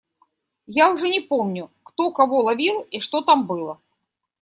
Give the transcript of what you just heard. Я уже не помню, кто кого ловил и что там было.